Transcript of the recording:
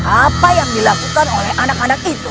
apa yang dilakukan oleh anak anak itu